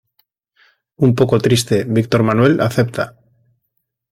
Un poco triste, Víctor Manuel acepta.